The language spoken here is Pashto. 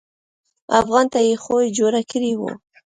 افغان ته خو يې جوړه کړې وه.